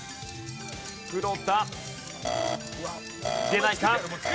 出ないか？